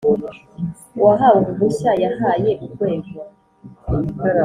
Uwahawe uruhushya yahaye Urwego